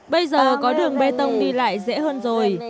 bây giờ có đường bê tông đi lại dễ hơn rồi